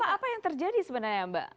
apa yang terjadi sebenarnya mbak